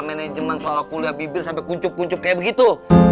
manajemen soal kuliah bibir sampai kuncup kuncup kayak begitu